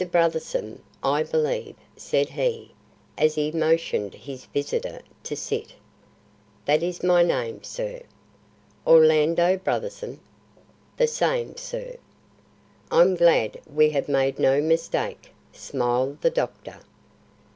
Brotherson, I believe," said he, as he motioned his visitor to sit. "That is my name, sir." "Orlando Brotherson?" "The same, sir." "I'm glad we have made no mistake," smiled the doctor.